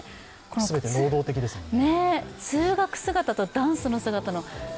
全て能動的ですもんね。